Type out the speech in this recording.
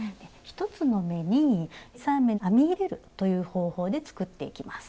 １つの目に３目編み入れるという方法で作っていきます。